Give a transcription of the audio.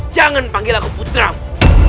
jangan panggil aku putramu